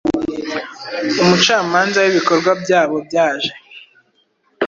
Umucamanza wibikorwa byabobyaje